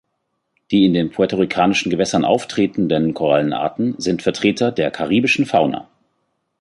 Die in den Puerto Ricanischen Gewässern auftretenden Korallenarten sind Vertreter der Karibischen Fauna.